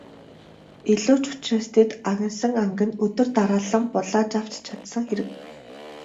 Илүү ч учраас тэд агнасан анг нь өдөр дараалан булааж авч чадсан хэрэг.